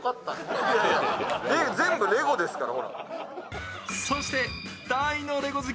全部、レゴですから。